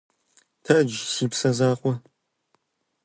Тэдж, си псэ закъуэ.